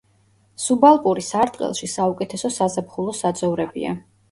სუბალპური სარტყელში საუკეთესო საზაფხულო საძოვრებია.